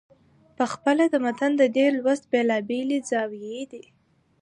پخپله د متن د دې لوست بېلابېلې زاويې دي.